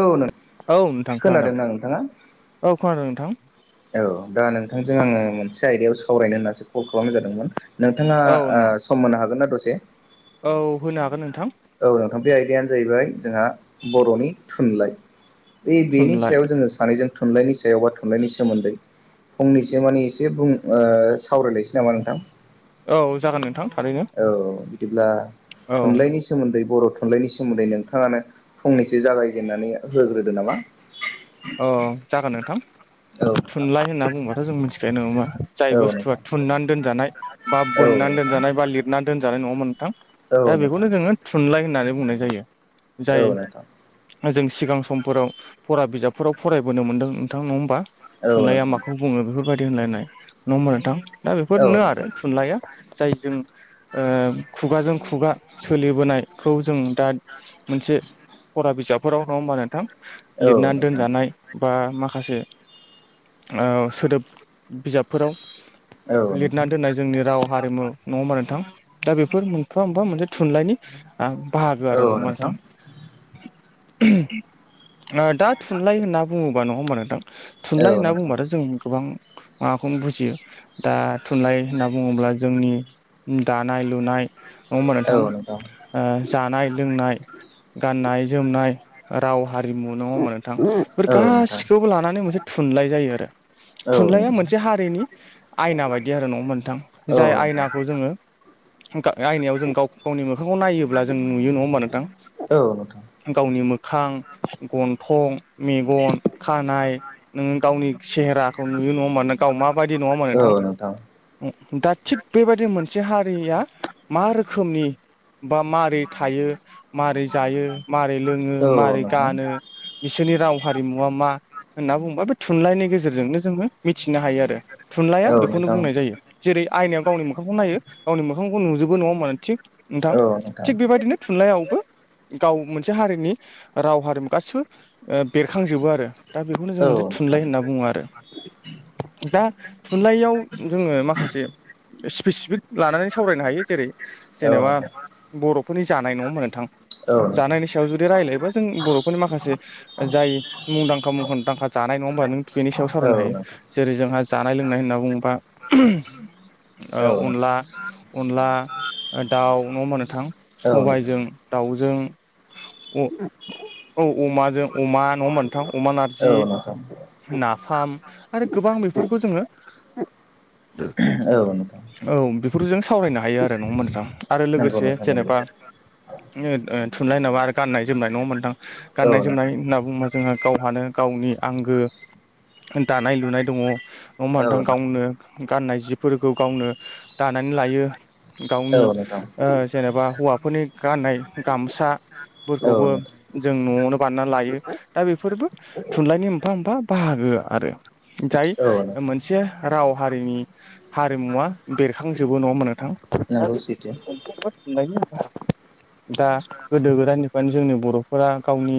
औ नो औ नोंथां खोनादों औ खोनादों नोंथां औ दा नोंथांजों आङो मोनसे आयदायाव सावरायनो होननानैसो कल खालामनाय जादोंमोन नोंथाङा औ सम होनो हागोन ना दसे औ होनो हागोन नोंथां औ नोंथां बे आयदायानो जाहैबाय जोंहा बर'नि थुनलाइ बे बेनि थुनलाइ सायाव जोङो सानैजों थुनलाइनि सायाव बा थुनलाइनि सोमोन्दै फंनैसो माने एसे बुं सावरायलायसै नामा नोंथां औ जागोन नोंथां थारैनो औ बिदिब्ला औ थुनलाइनि सोमोन्दै बर' थुनलाइनि सोमोन्दै नोंथाङानो फंनैसो जागायजेननानै होग्रोदो नामा। अ जागोन नोंथां औ थुनलाइ होनना बुंबाथ' जों मिथिखायो नङा होनबा। जाय बुस्थुआ नोंथां थुननानै दोनजानाय बा औ नोंथां औ बोननानै नोंथां दोनजानाय बा लिरनानै दोनजानाय नङा होनबा नोंथां। औ दा नोंथां बेखौनो जोङो थुनलाइ होननानै बुंनाय जायो औ जाय नोंथां जों सिगां समफोराव फरा बिजाबफोराव फरायबोनो मोन्दों नोंथां नङा होमबा। औ थुनलाइया नोंथां माखौ बुङो बेफोरबायदि होनलायनाय नङा होनबा नोथां दा औ बेफोरनो आरो नोंथां थुनलाइया जाय जों ओ खुगाजों खुगा सोलिबोनायखौ जों दा मोनसे फरा बिजाबफोराव नङा होमबा नोंथां औ लिरनानै नोंथां दोनजानाय बा माखासे ओ सोदोब बिजाबफोराव औ नोंथां लिरनानै दोननाय जोंनि राव हारिमु नङाबा नोंथां दा बेफोर मोनफा मोनफा मोनसे थुनलाइनि आं बाहागो आरो नङा नोंथां। आ दा थुनलाइ होनना बुङोबा नङा होमबा नोंथां थुनलाइ होनना बुंङोबाथ' जों गोबां माबाखौनो बुजियो दा थुनलाइ होनना बुङोब्ला जोंनि दानाय लुनाय नङा होमबा नोंथां ओ जानाय लोंनाय गाननाय जोमनाय राव हारिमु नङा होनबा नों बेफोर औ नोंथां गासिखौबो लानानै मोनसे थुनलाइ जायो आरो। औ नोंथां औ थुनलाइया नोंथां मोनसे हारिनि आयना बायदि आरो नङा नोंथां जाय आयनाखौ जोङो गा आयनायाव जों गाव गावनि मोखांखौ नायोब्ला जों नुयो नङा होमबा नोंथां औ नोंथां गावनि मोखां गन थं मेगन खानाय नोङो गावनि सेहेराखौ नुयो नङा होमबा नों गाव माबायदि नङा होनबा औ नोंथां औ नोंथां औ औ नोंथां। दा थिग बेबायदि मोनसे हारिया मा रोखोमनि बा मा माबोरै थायो मारै जायो मारै लोङो औ मारै नोंथां गानो बिसोरनि राव हारिमुवा मा होनना बुंङोबा बे थुनलाइनि गेजेरजोंनो जोङो मिथिनो हायो आरो। थुनलइाया बेखौनो बुंनाय जायो। जेरै आयनायाव गावनि मोखांखौ नायो गावनि मोखांखौ नुजोबो नङा होमबा थिग नोंथां थिग बेबायदिनो थुनलाइयावबो गाव मोनसे हारिनि राव हारिमु गासिबो ओ बेरखांजोबो आरो दा बेखौनो जों मोनसे थुनलाइ होनना बुङो आरो। दा थुनलाइयाव जोङो माखासे स्पेसिफिक लानानै सावरायनो हायो जेरै जेनेबा बर'फोरनि जानाय नङा होमबा नोंथां जानायनि सा याव जुदि रायजलायबब्ला जों बर'फोरनि माखासे जाय मुंदांखा मुंखुंदांखा जानाय नङा होमबा नों बेनि सायाव सावरायनो हायो जेरै जोंहा जानाय लोंनाय होनना बुङोबा ओ अनला अनला दाउ नङा होमबा नोंथां सबायजों दाउजों औ ओम अमाजों अमा नङा होमबा नोंथां अमा नारजि नाफाम आरो गोबां बेफोरखौ जोङो औ नोंथां औ बेफोर जों सावरायनो हायो आरो नङा होमबा नोंथां आरो नंगौ लोगोसे नोंथां नंगौ जेनबा ओ थुनलाइ होनबा आरो गाननाय जोमनाय नङा होनबा नोंथां औ गाननाय जोमनाय नोंथां होनना बुङोबा जोंहा गावहानो गावनि आंगो दानाय लुनाय दङ नङा होमबा नोंथां गावनो गाननाय जिफोरखौ गावनो दानानै लायो। औ गावनि नोंथां ओ जेनेबा हौवाफोरनि गाननाय गामसा औ फोरखौबो नोंथां जों न'आव बारनानै लायो दा बेफोरबो थुनलाइनि मोनफा मोनफा बाहागो आरो। जाय औ नोंथां मोनसे राव हारिनि हारिमुवा बेरखांजोबो नङा मोनोंथां? नंगौ सैथो दा गोदो गोदायनिफ्रायनो जोंनि बर'फोरा गावनि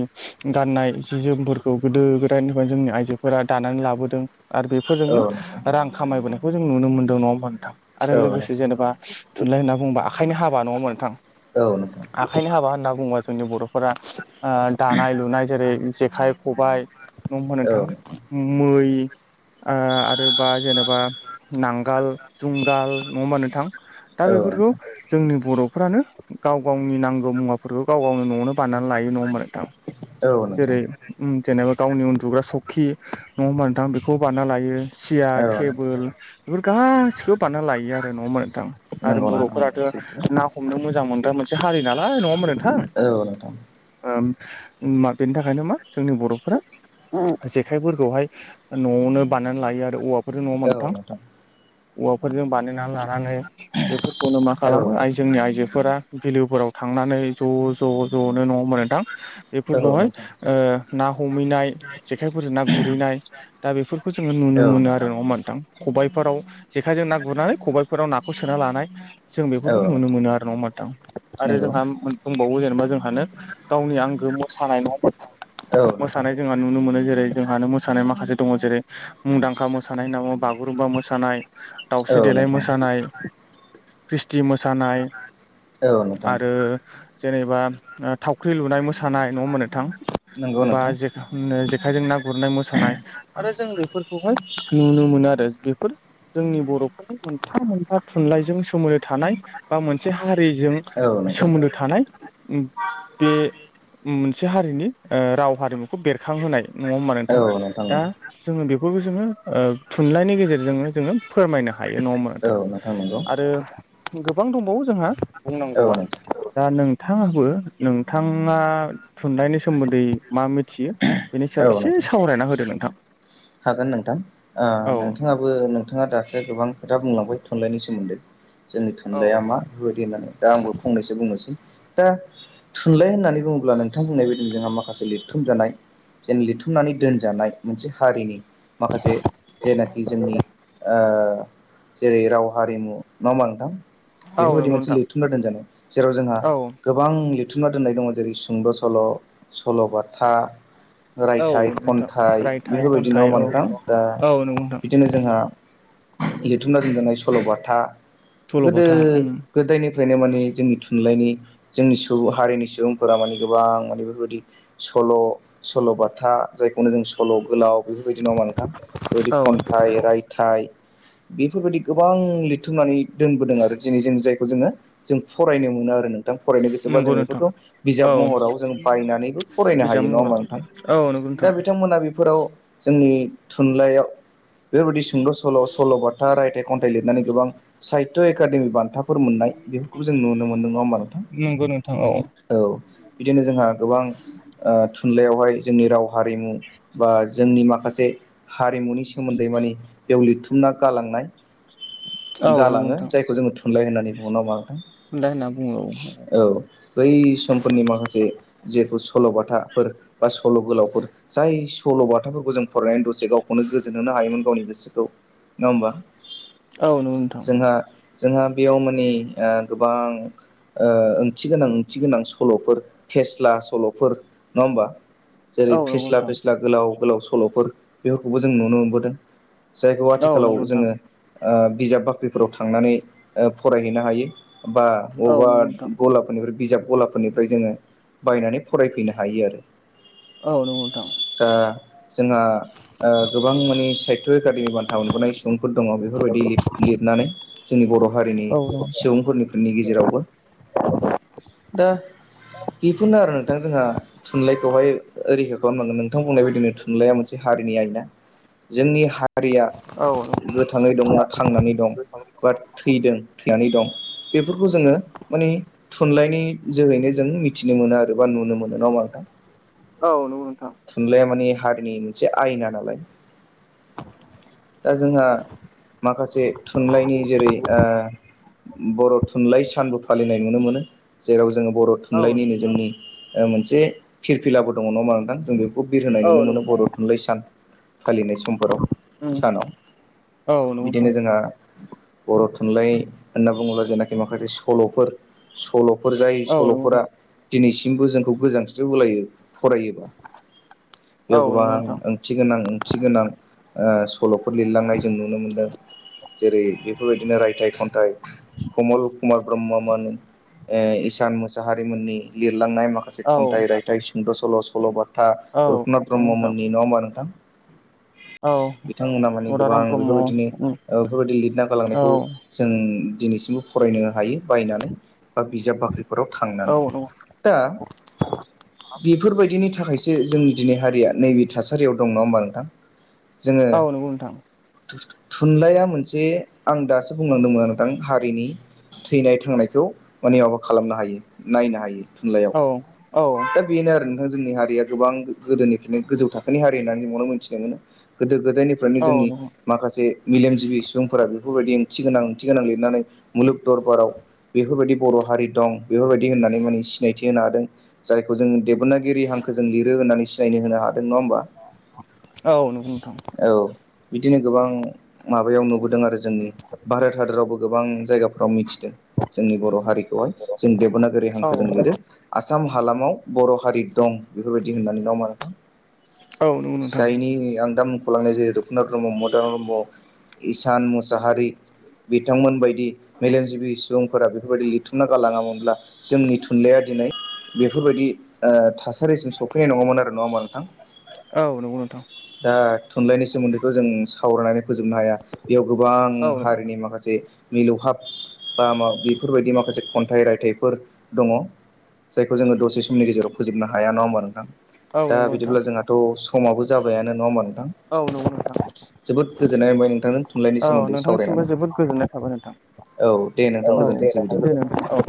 गाननाय जि जोमफोरखौ गोदो गोदायनिफ्रायनो जोंनि आइजोफोरा दानानै लाबोदों आरो औ बेफोरजोंनो नोंथां रां खामायबोनायखौ जों नुनो मोनदों नङा होमा नोंथां? आरो औ लोगोसे नोंथां जेनेबा थुनलाइ होनना बुंबा आखाइनि हाबा नङामोन नोंथां? औ नोंथां आखाइनि हाबा होनना बुङोबा जोंनि बर'फोरा ओ दानाय लुनाय जेरै जेखाइ, खबाइ न' होनबा नोंथां? मै ओ आरो बा जेनेबा नांगोल जुंगाल नङा होनबा नोंथां? दा औ बेफोरखौ नोंथां जोंनि बर'फ्रानो गाव गावनि नांगौ मुवाफोरखौ गाव गावनो न'आवनो बनानै लायो नंङा होनबा नोंथां? औ जेरै नोंथां जेनेबा गावनि उन्दुग्रा सखि नंङा होनबा नोंथां बेखौ बानना लायो। सियार औ टेबोल बेफोर गासिखौबो बानना लायो आरो नंङा होनबा नोंथां? आरो नंगौ नोंथां नंगौ बर'फोराथ' सैथो ना हमनो मोजां मोनग्रा मोनसे हारि नालाय नंङा होनबा नोंथां? अ नोंथां। ओम मा बेनि थाखायनो मा जोंनि बर'फोरा जेखाइफोरखौहाय न'आवनो बानायनानै लायो आरो औवाफोरजों नंङा होनबा नोंथां औवाफोरजों बानाय नालानानै बेफोरखौनो मा औ नोंथां औ खालामो जोंनि आइजोफोरा बिलोफोराव थांनानै ज'-ज'-ज'नो नङा होमबा नोंथां? बेफोरखौहाय नोंथां ओ ना हमहैनाय जेखाइफोरजों ना गुरहैनाय दा बेफोरखौ जोङो नुनो औ मोनो आरो नोंथां नङा होनबा नोंथां खबायाइफोराव जेखायजों ना गुरनानै खबाइ फोराव नाखौ सोना लानाय। जों औ बेफोरखौ नुनो नोंथां मोनो आरो नङा होनबा नोंथां आरो नंगौ जोंहा दंबावो जेनेबा जोंहानो गावनि आंगो मोसानाय नङा होनबा औ नोंथां नोंथां मोसानाय जों नुनो मोनो जेरै जोंहानो मोसानाय माखासे दङ जेरै मुंदांखा मोसानाय नामा बागुरुम्बा मोसानाय औ दाउस्रि देलाय नोंथां मोसानाय ख्रिस्टि मोसानाय औ नोंथां आरो जेनेबा ओ थावख्रि लुनाय मोसानाय। नङा होमबा नोंथां नंगौ नोंथां ओमफाय जेखानो जेखायजों ना गुरनाय मोसानाय आरो जों बेफोरखौहाय नुनो मोनो आरो बेफोर जोंनि बर'फोरनि मोनफा-मोनफा थुनलाइजों सोमोन्दो थानाय बा मोनसे हारिजों औ नोंथां सोमोन्दो थानाय बे मोनसे हारिनि ओ राव हारिमुखौ बेरखांहोनाय नङा होमबा नोंथां दा? जोङो बेफोरखौ जोङो ओ थुनलाइनि गेजेरजोंनो जोङो फोरमायनो हायो नङा होमबा नोंथां? नंगौ आरो गोबां दंबावो जोंहा औ बुंनांगौआ नोंथां दा नों नोंथाङहाबो नोंथाङा थुनलाइनि सोमोन्दै मा मिथियो बेनि सायाव औ एसे नोंथां सावरायना होदो नोंथां? हागोन नोंथां ओ औ नोंथाङाबो नाङा दासो गोबां खोथा बुंलांबाय थुनलाइनि सोमोन्दै जोंनि औ थुनलाइया मा। बेफोरबायदि होननानै दा आंबो फंनैसो बुंनोसै दा थुनलाइ होननानै बुङोब्ला नोंथां बुंनाय बायदि जोंहा माखासे लिरथुम जानाय। जेन लिरथुमनानै दोनजानाय मोनसे हारिनि माखासे जेनाखि जोंनि ओ जेरै राव हारिमु नङा होमबा नोंथां बेफोरबायदि नंगौ मोनसे नोंथां लिरथुमना दोनजानाय जेराव जोंहा औ गोबां लिरथुमना दोननाय दङ जेरै सुंद' सल' सल'बाथा। औ रायथाइ नोंथां खन्थाइ रायथाइ बेफोरबायदि खन्थाइ नङाबा औ नोंथां दा औ नंगौ नोंथां बिदिनो जोंहा लिरथुमना दोनजानाय सल'बाथा गोदो सल'बाथा उम गोदायनिफ्रायनो माने जोंनि थुनलाइनि जोंनि सुबुं हारिनि सुबुंफोरा माने गोबां माने बेबायदि। सल' सल' बाथा जायखौनो जों सल' गोलाव बेफोरबायदि नङा होनबा नोंथां? बायदि औ खन्थाइ, रायथाइ बेफोरबायदि गोबां लिरथुमनानै दोनबोदों आरो दिनै जों जायखौ जोङो जों फरायनो मोनो आरो नोंथां फरायनो गोसोबा जों नंगौ नोंथां बेफोरखौ बिजाब औ महराव जों बायनानैबो फरायनो बिजाब हायो नङा महराव होमबा नोंथां औ नंगौ नोंथां दा बिथांमोना बेफोराव जोंनि थुनलाइयाव बेफोरबायदि सुंद' सल', सल' बाथा, रायथाइ, खन्थाइ लिरनानै गोबां साहित्य एकादेमि बान्था फोर मोन्नाय बेफोरखौबो जों नुनो मोनदों नङा होमबा नोंथां? नंगौ नोंथां औ बिदिनो जोंहा गोबां ओ थुनलाइयावहाय जोंनि राव हारिमु बा जोंनि माखासे हारिमुनिस सोमोन्दै माने बेयाव लिरथुमना गालांनाय औ नंगौ गालाङो नोंथां जायखौ जोङो थु थुनलाइ होननानै बुङो ना मा नोंथां? खुन्दा होनना बुङो औ औ बै समफोरनि माखासे जेफोर सल'बाथाफोर बा सल' गोलावफोर जाय सल' बाथाफोरखौ जों फरायोन दसे गावखौनो गोजोन होनो हायोमोन गावनि गोसोखौ नङा होमबा नंगौ नोंथां जोंहा जोंहा बेयाव माने ओ गोबां ओ ओंथि गोनां ओंथि गोनां सल'फोर फेस्ला सल' फोर नङा होमबा जेरै औ नंगौ फेस्ला नोंथां फेस्ला गोलाव गोलाव सल'फोर बेफोरखौबो जों नुनो मोनबोदों जायखौ औ नंगौ आथिखालाव नोंथां जोङो ओ बिजाब बाख्रिफोराव थांनानै ओ फरायहैनो हायो। बा औ अबेबा नंगौ नोंथां गलाफोरनिफ्राय बिजाब गलाफोरनिफ्राय जोङो बायनानै फ फरायफैनो हायो आरो औ नंगौ नोंथां। दा जोंहा ओ गोबां माने साहित्य एकादेमि बान्था मोनबोनाय सुबुंफोर दङ' बेफोर बायदि लिरनानै जोंनि बर' हारिनि औ सुबुंफोरनि फोरनि गेजेरावबो दा बेफोरनो आरो नोंथां जोंहा थुनलाइखौहाय ओ रैखा खालामनांगोन नोंथां बुंनाय बायदिनो थुनलाइया मोनसे हारिनि आयना। जोंनि हारिया औ आरो गोथाङै दंना थांनानै दं बा थैदों थैनानै दं बेफोरखौ जोङो माने थुनलाइनि जोहैनो जों मिथिनो मोनो आर एबा नुनो मोनो नङा होनबा नोंथां? औ नंगौ नोंथां थुनलाइया माने हारिनि मोनसे आयना नालाय दा जोंहा माखासे थुनलाइनि जेरै ओ बर' थुनलाइ सानबो फालिनाय नुनो मोनो जेराव जोङो बर' औ नंगौ थुनलाइनिनो नोंथां जोंनि ओ मोनसे फिरफिलाबो दङ' नङा होनबा नोंथां जों बेख खौ बिरहोनाय औ नुनो नंगौ मोनो बर' थुनलाइ सान फालिनाय समफोराव सानाव औ नंगौ नोंथां बिदिनो जोंहा बर' थुनलाइ होनना बुङोब्ला जेनाखि माखासे सल'फोर सल'फोर जाय औ नंगौ नोंथां सल'फोरा दिनैसिमबो जोंखौ गोजांस्रिव होलायो। फरायोबा बेयाव औ गोबां नंगौ नोंथां ओंथि गोनां ओंथि गोनां ओ सल'फोर लिरलांनाय जों नुनो मोन्दों। जेरै बेफोरबायदिनो रायथाइ, खान्थाइ कमल कुमार ब्रह्ममोननि ए इसान मोसाहारिमोननि लिरलांनाय माखासे औ खन्थाइ, रायथाइ सुंद' सल', सल'बाथ था औ रुपनाथ नंगौ नोंथां ब्रह्ममोननि नङा होनबा नोंथां? औ बिथांमोना माने गोबां मदाराम ब्रह्म बेफोरबायदिनो औ बेफोरबायदि लिरना औ गालांनायखौ जों दिनैसिमबो फरायनो हायो बायनानै बा बिजाब बाख्रिफोराव थांनानै नंगौ दा बेफोरबायदिनि थाखायसो जोंनि दिनै हारिया नैबे थासारियाव दं नङा होमबा नोंथां? जोङो औ नंगौ नोंथां थु-थु थुनलाइया मोनसे आं दासो बुंलांदोंमोन दां हारिनि थैनाय थांनायखौ माने माबा खालामनो हायो नायनो हायो। थुनलाइयाव औ औ [unintelligible] बेनो आरो नोंथां जोंनि हारिया गोबां गोदोनिफ्रायनो गोजौ थाखोनि हारि होननानै बुंबानो मोनथिनो मोनो। गोदो गोदायनिफ्रायनो औ जोंनि नंगौ माखासे मेलेमजिबि सुबुंफोरा बेफोरबायदि ओंथि गोनां ओंथि गोनां लिरनानै मुलुग दरबाराव बेफोरबायदि बर' हारि दं बेफोरबायदि होननानै माने सिनायथि होनो हादों जायखौ जोंङो देब'नागिरि हांखोजों लिरो होन्नानै सिनायनो होनो हादों नंङा होमबा। औ नंगौ नोंथां। औ बिदिनो गोबां माबायाव नुबोदों आरो जोंनि भारत हादोरावबो गोबां जायगाफ्राव मिथिदों जोंनि बर' हारिखौहाय जों देब'नागिरि औ हांखो जों औ लिरो। आसाम हालामाव बर' हारि दं बेफोरबायदि होननानै नंङा होमबा नोंथां। नंगौ नोंथां औ नंगौ नोंथां जायनि आं दा ख'लांनाय जेरै रुपुनाथ ब्रह्म, मदाराम ब्रह्म, इसान मुसाहारि बिथांमोन बायदि मेलेमजिबि सुबुंफोरा बेफोरबायदि लिरथुमना गालांङामोनब्ला जोंनि थुनलाइया लाइ बेफोरबायदि ओ थासारिसिम सफैनाय नंङामोन आरो नंङा होमबा नोंथां। औ नंगौ नोंथां। दा थुनलाइनि सोमोन्दैथ' जों सावरायनानै फोजोबनो हाया। बेयाव गोबां औ नंगौ हारिनि माखासे मिलौहाब बा मा बेफोरबायदि माखासे खन्थाइ रायथाइफोर दंङ। जायखौ जोंङो दसे समनि गेजेराव फोजोबनो हाया नंङा होमबा नोंथां दा नोंथां बिदिब्ला जोंहा थ' समाबो जाबायानो नंङा होमबा नोंथां। औ नंगौ नोंथां। जोबोद गोजोननाय मोनबाय नोंथांजों थुनलाइनि औ सोमोन्दै सावरायनानै नोंथांनिसिमबो जोबोद गोजोननाय थाबाय नोंथां। औ दे औ नोंथां औ दे गोजोनथोंसै नोंथां बिदिब्ला दे नोंथां औ।